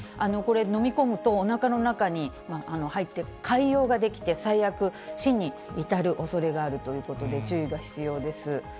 これ、飲み込むとおなかの中に入って潰瘍が出来て、最悪死に至るおそれがあるということで、注意が必要です。